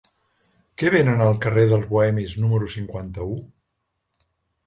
Què venen al carrer dels Bohemis número cinquanta-u?